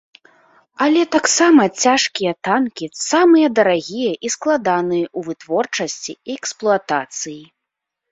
Але таксама цяжкія танкі самыя дарагія і складаныя ў вытворчасці і эксплуатацыі.